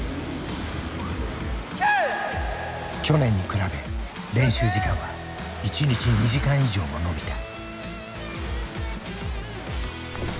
去年に比べ練習時間は一日２時間以上も延びた。